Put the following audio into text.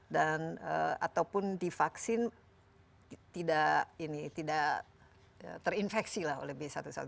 dan ataupun divaksin tidak terinfeksi lah oleh b satu ratus tujuh belas